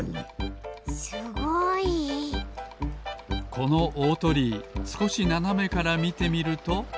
このおおとりいすこしななめからみてみると。